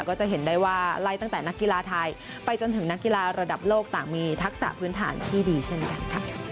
ก็จะเห็นได้ว่าไล่ตั้งแต่นักกีฬาไทยไปจนถึงนักกีฬาระดับโลกต่างมีทักษะพื้นฐานที่ดีเช่นกันค่ะ